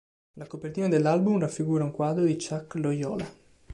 La copertina dell'album raffigura un quadro di Chuck Loyola.